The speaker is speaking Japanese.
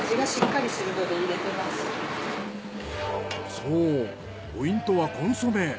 そうポイントはコンソメ。